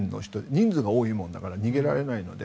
人数が多いものだから逃げられないので。